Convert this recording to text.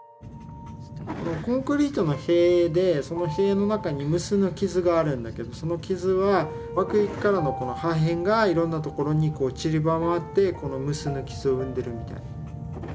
コンクリートの塀でその塀の中に無数の傷があるんだけどその傷は爆撃からの破片がいろんなところに散らばって無数の傷を生んでるみたいな。